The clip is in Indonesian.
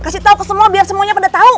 kasih tau ke semua biar semuanya pada tau